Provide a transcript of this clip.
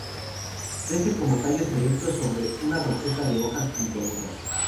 Crece como tallos erectos sobre una roseta de hojas puntiagudas.